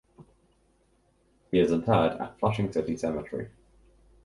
He is interred at Flushing City Cemetery.